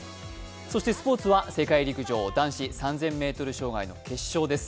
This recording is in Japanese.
そしてスポーツは世界陸上男子３０００ｍ障害の決勝です。